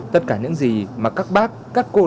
tất cả những gì mà các bác các cô